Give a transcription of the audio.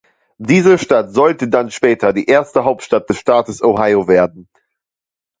Diese Stadt sollte dann später die erste Hauptstadt des Staates Ohio werden.